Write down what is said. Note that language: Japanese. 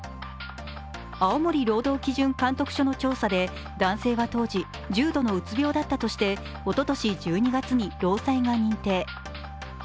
青森労働基準監督署の調査で、男性は当時重度のうつ病だったとして、おととし１２月に労災が認定。